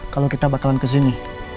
kalau kita bakalan kesini